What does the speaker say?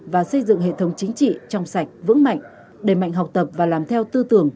và xây dựng hệ thống chính trị trong sạch vững mạnh đầy mạnh học tập và làm theo tư tưởng